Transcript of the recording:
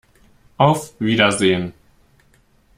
Auf Wiedersehen!